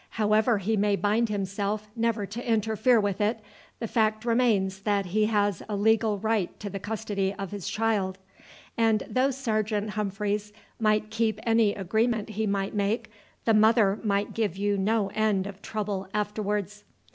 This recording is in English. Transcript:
However he may bind himself never to interfere with it, the fact remains that he has a legal right to the custody of his child. And though Sergeant Humphreys might keep any agreement he might make, the mother might give you no end of trouble afterwards."